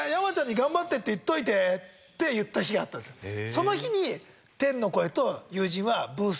その日に。